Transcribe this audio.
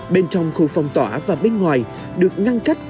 bên trong khu phong tỏa và bên ngoài được ngăn cách